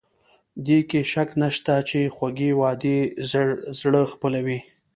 دې کې شک نشته چې خوږې وعدې زړه خپلوي.